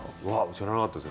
知らなかったです。